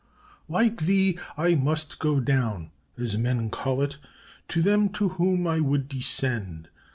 "'Like thee, I must go down, as men call it, to them to whom I would descend.